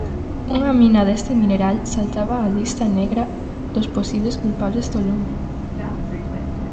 Unha mina deste mineral saltaba á lista negra dos posibles culpables do lume.